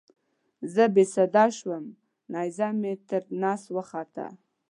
زه بې سده شوم نیزه مې تر نس وخوته.